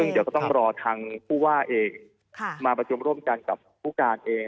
เดี๋ยวก็ต้องรอทางผู้ว่าเองมาประชุมร่วมกันกับผู้การเอง